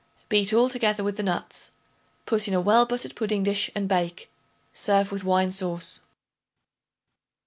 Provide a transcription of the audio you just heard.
Beat all together with the nuts; put in a well buttered pudding dish and bake. Serve with wine sauce.